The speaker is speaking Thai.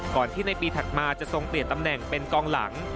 ที่ในปีถัดมาจะทรงเปลี่ยนตำแหน่งเป็นกองหลัง